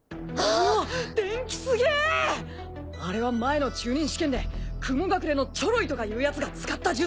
あれは前の中忍試験で雲隠れのチョロイとかいうヤツが使った術。